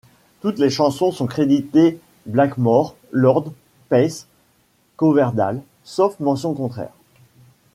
Toutes les chansons sont créditées Blackmore, Lord, Paice, Coverdale, sauf mention contraire.